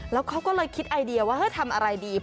แล้วเขาก็เลยคิดไอเดียว่าเฮ้ยทำอะไรดี